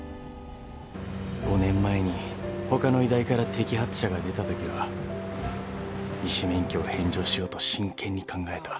５年前に他の医大から摘発者が出たときは医師免許を返上しようと真剣に考えた。